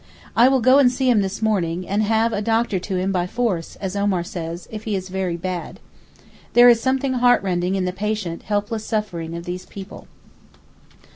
I will go and see him this morning, and have a doctor to him 'by force,' as Omar says, if he is very bad. There is something heart rending in the patient, helpless suffering of these people.